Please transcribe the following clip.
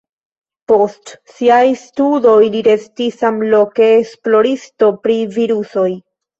Post siaj studoj li restis samloke esploristo pri virusoj.